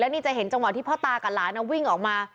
นี่จะเห็นจังหวะที่พ่อตากับหลานวิ่งออกมา